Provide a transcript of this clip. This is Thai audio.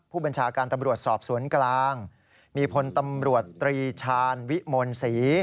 ผู้บัญชาการตำรวจสอบสวนกลางมีพลตำรวจตรีชาญวิมลศรี